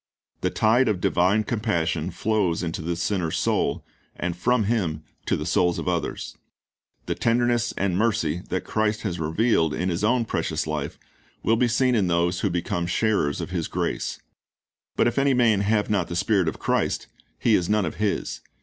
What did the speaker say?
The tide of divine compassion flows into the sinner's soul, and from him to the souls of others. The tenderness and mercy that Christ has revealed in His own precious life will be seen in those who becontfe sharers of His grace. But "if any man have not the .Spirit of Chri.st, he is none of His."